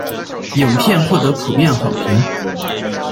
影片获得普遍好评。